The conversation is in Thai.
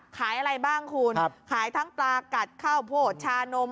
ขายอะไรบ้างคุณขายทั้งปลากัดข้าวโพดชานม